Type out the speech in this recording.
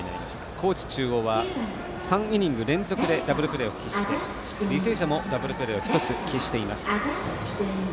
高知中央は３イニング連続でダブルプレーを喫して履正社もダブルプレーを１つ喫しています。